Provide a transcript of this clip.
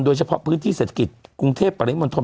โดยเฉพาะพื้นที่เศรษฐกิจกรุงเทพปริมณฑล